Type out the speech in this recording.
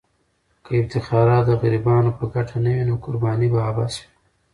که افتخارات د غریبانو په ګټه نه وي، نو قرباني به عبث وي.